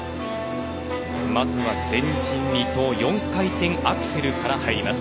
まずは前人未到４回転アクセルから入ります。